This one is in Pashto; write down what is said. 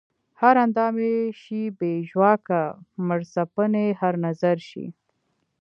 هر اندام ئې شي بې ژواکه مړڅپن ئې هر نظر شي